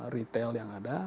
retail yang ada